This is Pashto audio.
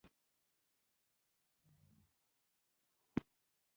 له انګرېزانو سره د اړېکو درلودلو مشهور وو.